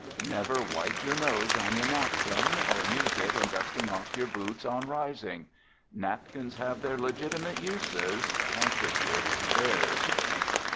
Never wipe your nose on your napkin, or use it in dusting off your boots on rising. Napkins have their legitimate uses, handkerchiefs theirs.